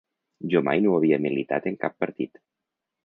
Jo mai no havia militat en cap partit.